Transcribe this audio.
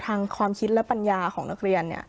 เพราะฉะนั้นทำไมถึงต้องทำภาพจำในโรงเรียนให้เหมือนกัน